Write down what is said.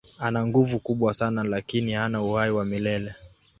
Ana nguvu kubwa sana lakini hana uhai wa milele.